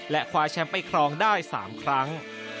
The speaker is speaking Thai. และคว้าแชมป์ไปครองได้๓ครั้ง